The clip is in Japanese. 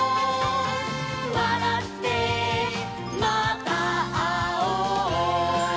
「わらってまたあおう」